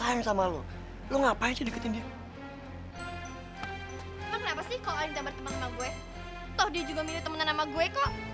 nanti malah keluar penyakitan sama gue